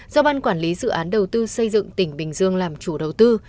do ban quản lý dự án đầu tư xây dựng tỉnh bình dương làm chủ đầu tư